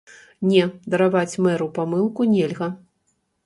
Не, дараваць мэру памылку нельга.